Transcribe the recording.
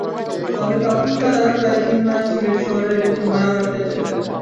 তবে তখন তাঁরা প্রায় তিন মাস সিলেট শহরের একটি ভাড়া বাসায় ছিলেন।